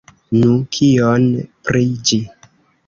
Nu, kion pri ĝi?